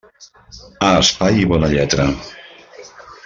A espai i bona lletra.